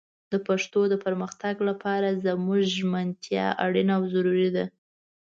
د پښتو د پرمختګ لپاره زموږ ژمنتيا اړينه او ضروري ده